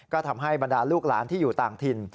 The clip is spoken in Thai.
ก็ทำให้บรรดาลูกหลานที่อยู่ต่างถิ่น